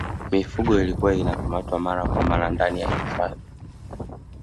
mifugo imekuwa ikikamatwa mara kwa mara ndani ya hifadhi